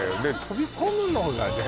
飛び込むのがね